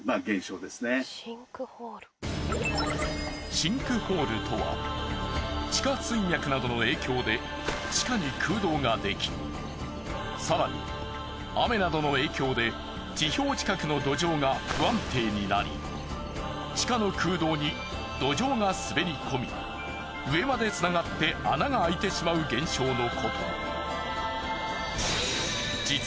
シンクホールとは地下水脈などの影響で地下に空洞ができ更に雨などの影響で地表近くの土壌が不安定になり地下の空洞に土壌が滑り込み上までつながって穴が開いてしまう現象のこと。